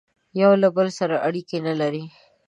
یوه له بل سره اړیکي نه لري